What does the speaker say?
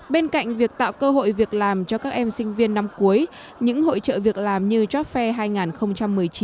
bên cạnh việc tạo cơ hội việc làm cho các em sinh viên năm cuối những hỗ trợ việc làm như job fair hai nghìn một mươi chín